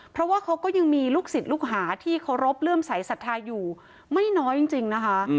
เพราะว่าเขาก็ยังมีลูกศิษย์ลูกหาที่เคารพเลื่อมใสสัทธาอยู่ไม่น้อยจริงนะคะ